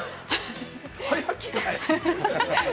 ◆早着がえ？